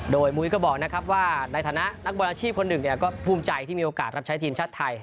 โดยมุ้ยก็บอกนะครับว่าในฐานะนักบอลอาชีพคนหนึ่งก็ภูมิใจที่มีโอกาสรับใช้ทีมชาติไทย